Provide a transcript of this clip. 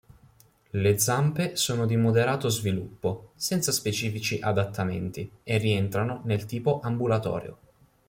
Le zampe sono di moderato sviluppo, senza specifici adattamenti, e rientrano nel tipo ambulatorio.